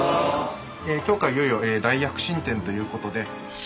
今日からいよいよ大躍進展ということで。